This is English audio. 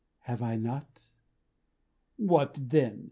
Have I not?" "What then?"